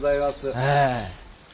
ええ。